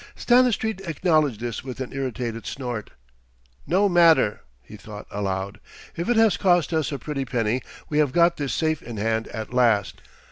Stanistreet acknowledged this with an irritated snort. "No matter," he thought aloud; "if it has cost us a pretty penny, we have got this safe in hand at last.